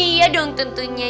iya dong tentunya